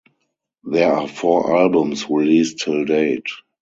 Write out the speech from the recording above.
There are four albums released till date.